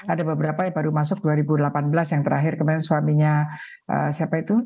ada beberapa yang baru masuk dua ribu delapan belas yang terakhir kemarin suaminya siapa itu